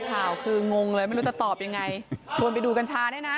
แล้วทำไมผมไปชกหลายคนได้ขนาดนั้นอ่ะ